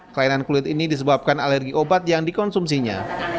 kelainan kulit ini disebabkan alergi obat yang dikonsumsinya